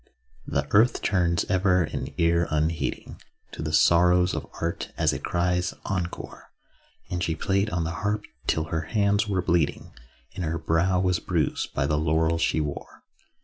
The earth turns ever an ear unheeding To the sorrows of art, as it cries 'encore.' And she played on the harp till her hands were bleeding, And her brow was bruised by the laurels she wore.